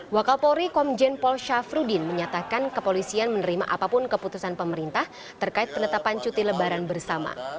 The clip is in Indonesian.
wakapolri komjen paul syafruddin menyatakan kepolisian menerima apapun keputusan pemerintah terkait penetapan cuti lebaran bersama